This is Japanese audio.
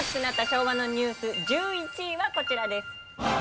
昭和のニュース１１位はこちらです。